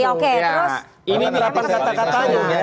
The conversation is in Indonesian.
oke terus ini berapa kata katanya